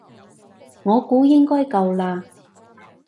我估應該夠啦